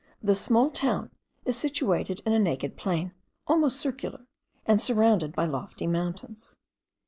This small town is situated in a naked plain, almost circular, and surrounded by lofty mountains.